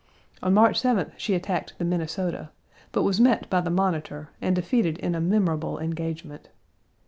On March 7th she attacked the Minnesota, but was met by the Monitor and defeated in a memorable engagement.